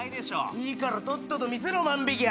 いいからとっとと見せろ万引犯。